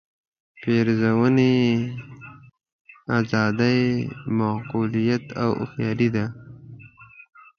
پېرزوینې آزادۍ معقولیت او هوښیارۍ.